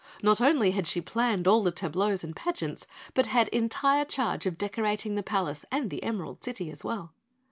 Not only had she planned all the tableaux and pageants, but had entire charge of decorating the palace and the Emerald City as well.